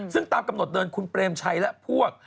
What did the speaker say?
ซึ่งตามกำหนดเดินคุณเปรมชัยและพวก